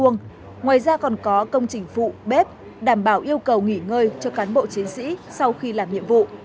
ngoài ra còn có công trình phụ bếp đảm bảo yêu cầu nghỉ ngơi cho cán bộ chiến sĩ sau khi làm nhiệm vụ